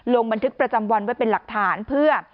ลงบันทึกประจำวันไว้เป็นหลักฐานเพื่อ